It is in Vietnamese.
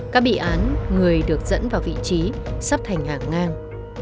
các bị án người được dẫn vào vị trí sắp thành hạc ngang